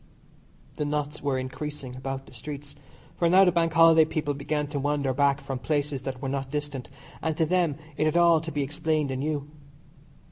The knots were increasing about the streets, for now the Bank Holiday people began to wander back from places that were not distant, and to them it had all to be explained anew.